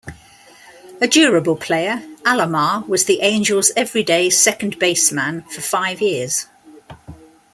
A durable player, Alomar was the Angels' everyday second baseman for five years.